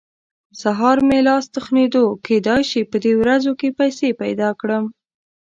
سهار مې لاس تخېدو؛ کېدای شي په دې ورځو کې پيسې پیدا کړم.